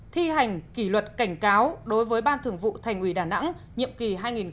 thi hành kỷ luật cảnh cáo đối với ban thường vụ thành ủy đà nẵng nhiệm kỳ hai nghìn một mươi năm hai nghìn hai mươi